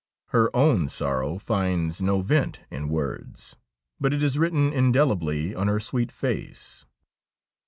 Her own sorrow finds no vent in words, but it is written indelibly on her sweet face.